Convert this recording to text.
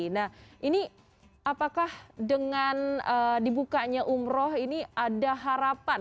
nah ini apakah dengan dibukanya umrah ini ada harapan